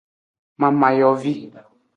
Mamayovi.